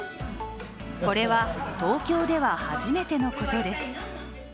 これは東京では初めてのことです。